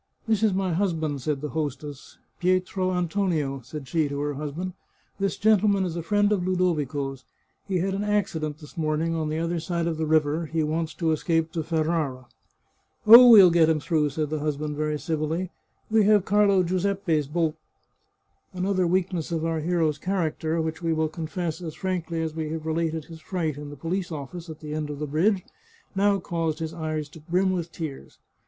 " This is my husband," said the hostess. —" Pietro An tonio," said she to her husband, " this gentleman is a friend of Ludovico's. He had an accident this morning on the other side of the river ; he wants to escape to Ferrara." " Oh, we'll get him through," said the husband very civ illy. " We have Carlo Giuseppe's boat." Another weakness of our hero's character, which we will confess as frankly as we have related his fright in the police office at the end of the bridge, now caused his eyes to brim with tears.